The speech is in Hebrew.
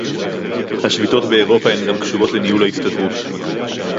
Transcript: השביתות באירופה הן גם קשורות בניהול ההסתדרות